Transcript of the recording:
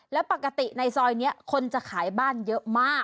แล้วปกติในซอยนี้คนจะขายบ้านเยอะมาก